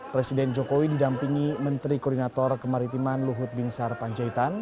presiden jokowi didampingi menteri koordinator kemaritiman luhut binsar panjaitan